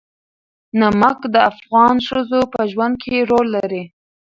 نمک د افغان ښځو په ژوند کې رول لري.